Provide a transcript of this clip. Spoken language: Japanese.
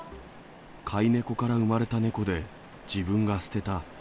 飼い猫から産まれた猫で、自分が捨てた。